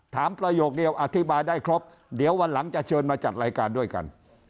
ประโยคเดียวอธิบายได้ครบเดี๋ยววันหลังจะเชิญมาจัดรายการด้วยกัน